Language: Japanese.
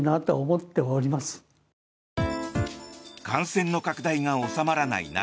感染の拡大が収まらない